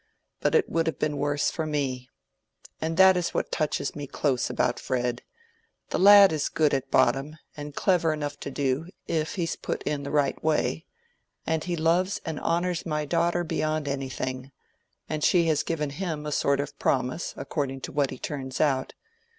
But it would have been worse for me. And that is what touches me close about Fred. The lad is good at bottom, and clever enough to do, if he's put in the right way; and he loves and honors my daughter beyond anything, and she has given him a sort of promise according to what he turns out.